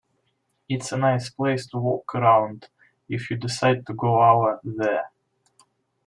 It's a nice place to walk around if you decide to go over there.